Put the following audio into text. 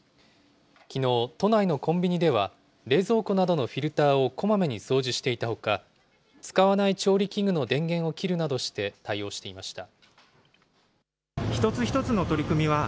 きのう、都内のコンビニでは、冷蔵庫などのフィルターをこまめに掃除していたほか、使わない調理器具の電源を切るなどして対応していました。